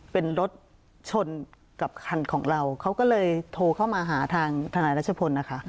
เป็นรถชนกับคันของเราเขาก็เลยโทรเข้ามาหาทางทนายรัชพลนะคะ